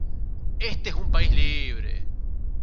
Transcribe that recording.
Este es un país libre.